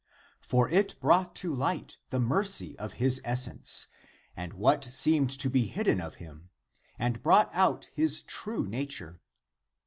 For it brought to light the mercy of his essence and what seemed to be hidden of him, and brought out his true nature.